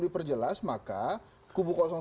diperjelas maka kubu satu